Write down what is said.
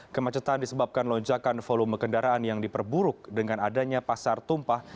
kemacetan disebabkan lonjakan volume kendaraan yang diperburuk dengan adanya pasar tumpah